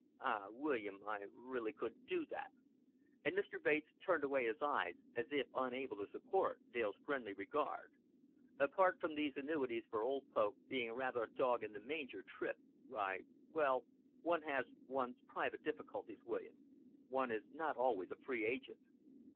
"Ah, William, I really couldn't do that;" and Mr. Bates turned away his eyes, as if unable to support Dale's friendly regard. "Apart from these annuities for old folk being rather a dog in the manger trick, I well, one has one's private difficulties, William. One is not always a free agent."